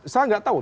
saya tidak tahu